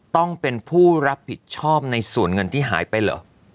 ต้องเป็นผู้รับผิดชอบในส่วนเงินที่หายไปเหรอ